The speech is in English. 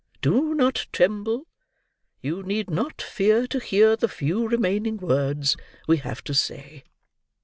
Do not tremble. You need not fear to hear the few remaining words we have to say."